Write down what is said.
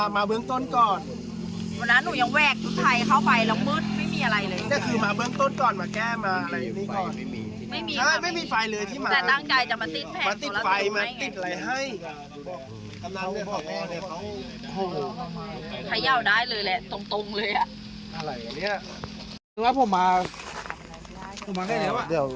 อะไรอันเนี้ยคือว่าผมมาผมมาแค่เดี๋ยวอ่ะ